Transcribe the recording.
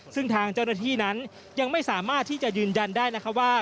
ซึ่งทางเจ้าหน้าที่นั้นยังไม่สามารถที่จะยืนยันได้นะคะว่า